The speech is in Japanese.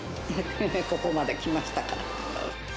ここまできましたから。